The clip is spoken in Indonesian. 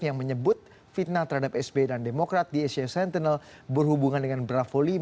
yang menyebut fitnah terhadap sby dan demokrat di asia sentinel berhubungan dengan bravo lima